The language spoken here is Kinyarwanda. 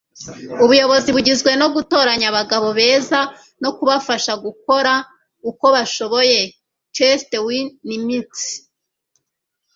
ubuyobozi bugizwe no gutoranya abagabo beza no kubafasha gukora uko bashoboye. - chester w. nimitz